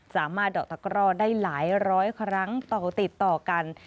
ดอกตะกร่อได้หลายร้อยครั้งต่อติดต่อกัน